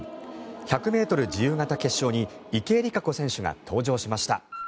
１００ｍ自由形決勝に池江璃花子選手が登場しました。